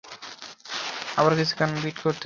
আবারও কিছুক্ষণ বিট করতে হবে।